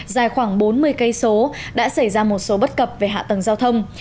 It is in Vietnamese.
dài khoảng bốn mươi km đã xảy ra một số bất cập về hạ tầng giao thông